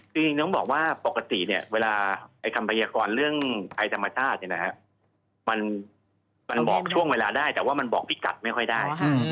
จริงน้องบอกว่าปกติเนี่ยเวลาไทยธรรมชาติเนี่ยนะครับมันบอกช่วงเวลาได้แต่ว่ามันบอกพิกัดไม่ค่อยได้